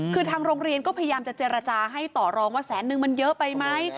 คือทางโรงเรียนก็พยายามจะเจรจาให้ต่อรองว่าแสนนึงมันเยอะไปไหม